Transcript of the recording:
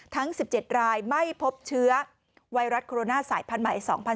ทั้ง๑๗รายไม่พบเชื้อไวรัสโคโรนาสายพันธุ์ใหม่๒๐๑๖